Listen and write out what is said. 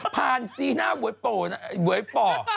ผ่านซีหน้าบ๊วยป่อ